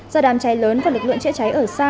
do đám cháy lớn và lực lượng chữa cháy ở xa